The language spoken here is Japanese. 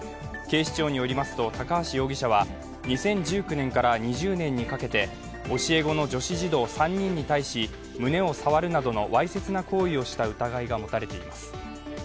警視庁によりますと高橋容疑者は２０１９年から２０年にかけて教え子の女子児童３人に対し胸を触るなどのわいせつな行為をした疑いが持たれています。